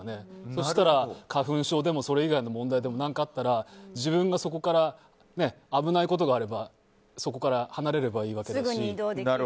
そしたら花粉症でもそれ以外の問題でも何かあったら自分がそこから危ないことがあればそこから離れればいいわけだし。